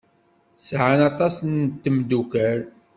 Sɛan aṭas n tmeddukal.